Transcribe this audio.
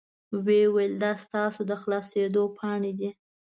وې ویل دا ستاسو د خلاصیدو پاڼې دي.